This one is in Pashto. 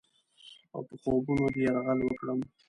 اوپه خوبونو دې یرغل وکړم؟